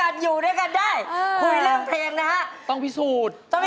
ด้องพิสูจน์